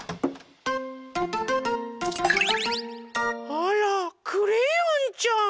あらクレヨンちゃん。